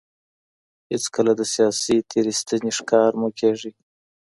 هيڅکله د سياسي تېرايستني ښکار مه کېږئ.